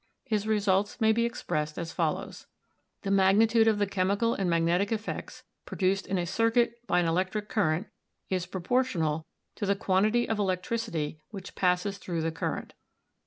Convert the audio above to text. His results may be expressed as follows: The magnitude of the chemical and magnetic effects produced in a circuit by an electric current is propor tional to the quantity of electricity which passes through the circuit.